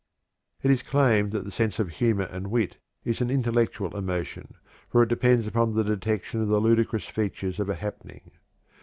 It is claimed that the sense of humor and wit is an intellectual emotion, for it depends upon the detection of the ludicrous features of a happening.